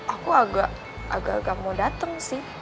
aku agak agak mau datang sih